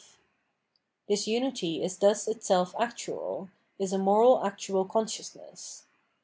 This imity is thus itself actual, is a moral actual consciousness.